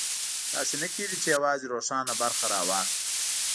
داسې نه کېږي چې یوازې روښانه برخه راواخلي.